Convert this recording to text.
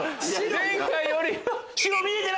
前回よりは。